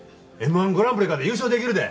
Ｍ−１グランプリかて優勝できるで！